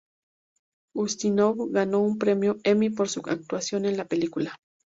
Ustinov ganó un premio Emmy por su actuación en la película.